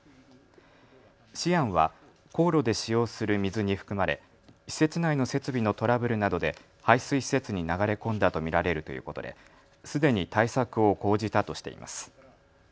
シアンは高炉で使用する水に含まれ、施設内の設備のトラブルなどで排水施設に流れ込んだと見られるということですでに対策を講じたとしています。